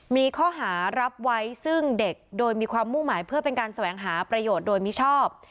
มีข้อหารับไว้ซึ่งเด็กโดยมีความมุ่งหมายเพื่อเป็นการแสวงหาประโยชน์โดยมิชอบ